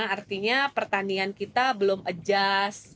artinya pertandingan kita belum adjust